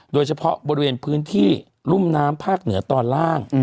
โดยเฉพาะบริเวณพื้นที่รุ่มน้ำภาคเหนือตอนล่าง